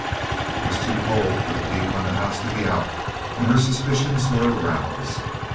It was too cold for the people in the house to be out, and her suspicions were aroused.